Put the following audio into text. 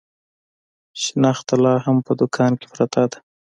شنخته لا هم په دوکان کې پرته ده.